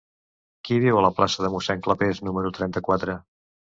Qui viu a la plaça de Mossèn Clapés número trenta-quatre?